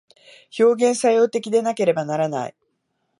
表現作用的でなければならない。